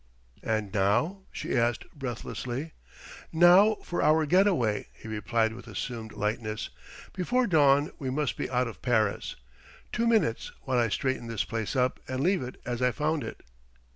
"And now...?" she asked breathlessly. "Now for our get away," he replied with assumed lightness. "Before dawn we must be out of Paris.... Two minutes, while I straighten this place up and leave it as I found it."